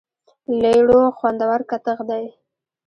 لیړو خوندور کتغ دی.